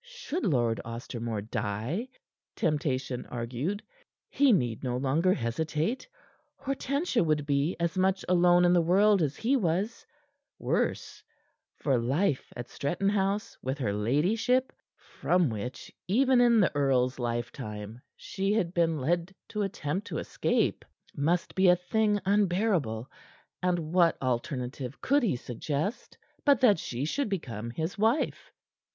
Should Lord Ostermore die, Temptation argued, he need no longer hesitate. Hortensia would be as much alone in the world as he was; worse, for life at Stretton House with her ladyship from which even in the earl's lifetime she had been led to attempt to escape must be a thing unbearable, and what alternative could he suggest but that she should become his wife?